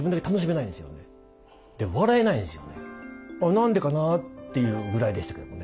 何でかな？というぐらいでしたけどもね。